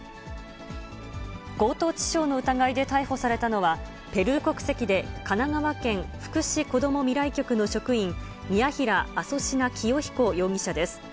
強盗致傷の疑いで逮捕されたのは、ペルー国籍で、神奈川県福祉子どもみらい局の職員、ミヤヒラ・アソシナ・キヨヒコ容疑者です。